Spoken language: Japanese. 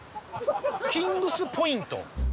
キングスポイント。